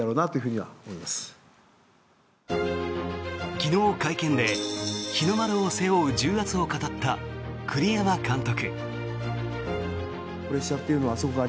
昨日、会見で日の丸を背負う重圧を語った栗山監督。